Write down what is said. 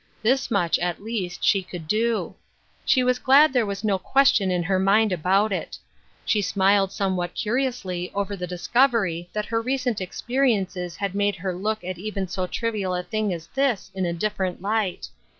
This much, at least, she could do ; she was glad there was no question in her mind about it. She smiled somewhat curiously over the discovery that her recent experiences had made her look at even so trivial a thing as this in a different light.